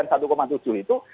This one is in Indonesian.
tadi yang satu tujuh itu